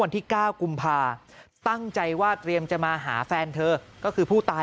ที่๙กุมภาตั้งใจว่าเตรียมจะมาหาแฟนเธอก็คือผู้ตาย